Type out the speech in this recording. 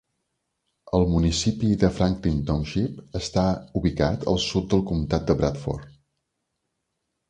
El municipi de Franklin Township està ubicat al sud del comtat de Bradford.